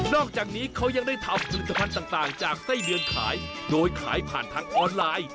อกจากนี้เขายังได้ทำผลิตภัณฑ์ต่างจากไส้เดือนขายโดยขายผ่านทางออนไลน์